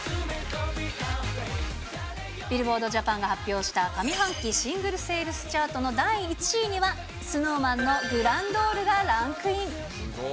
ビルボードジャパンが発表した上半期シングル・セールスチャートの第１位には、ＳｎｏｗＭａｎのグランドールがランクイン。